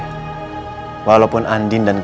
dengan anak yang lain dan memang